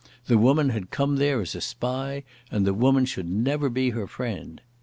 The woman had come there as a spy, and the woman should never be her friend.